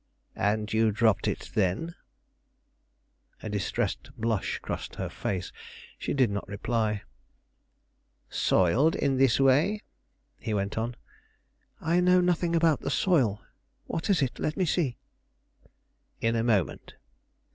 "And you dropped it then?" A distressed blush crossed her face; she did not reply. "Soiled in this way?" he went on. "I know nothing about the soil. What is it? let me see." "In a moment.